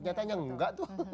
kenyataannya enggak tuh